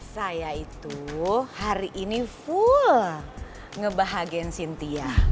saya itu hari ini full ngebahagiain cynthia